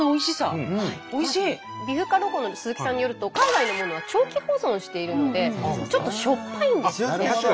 美深ロコの鈴木さんによると海外のものは長期保存しているのでちょっとしょっぱいんですって。